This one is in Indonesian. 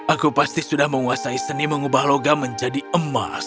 aku pasti sudah menguasai seni mengubah logam menjadi emas